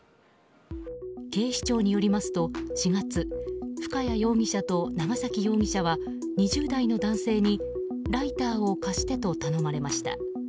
警視庁によりますと、４月深谷容疑者と長崎容疑者は２０代の男性にライターを貸してと頼まれました。